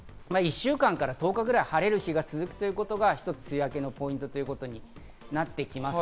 それが１週間から１０日ぐらい晴れる日が続くということが一つ梅雨明けのポイントになってきます。